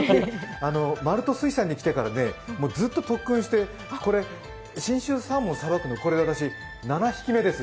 マルト水産に来てから、ずっと特訓して、これ信州サーモンをさばくのは、これで私、７匹目です。